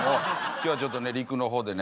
今日はちょっと陸の方でね。